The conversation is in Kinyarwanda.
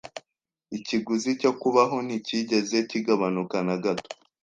Ikiguzi cyo kubaho nticyigeze kigabanuka na gato.